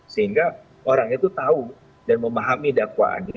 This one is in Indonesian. sehingga orang itu tahu dan memahami dakwaan